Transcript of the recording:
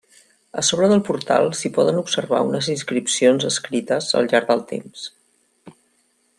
A sobre del portal s'hi poden observar unes inscripcions escrites al llarg del temps.